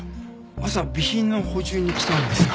朝備品の補充に来たんですが。